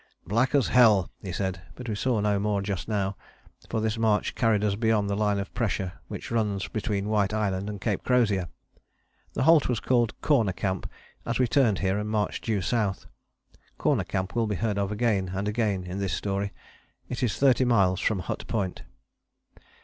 "Black as hell," he said, but we saw no more just now, for this march carried us beyond the line of pressure which runs between White Island and Cape Crozier. This halt was called Corner Camp, as we turned here and marched due south. Corner Camp will be heard of again and again in this story: it is thirty miles from Hut Point.